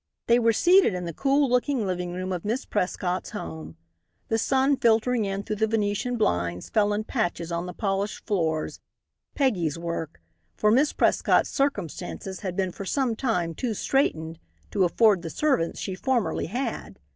They were seated in the cool looking living room of Miss Prescott's home. The sun filtering in through the Venetian blinds, fell in patches on the polished floors Peggy's work, for Miss Prescott's circumstances had been for some time too straitened to afford the servants she formerly had.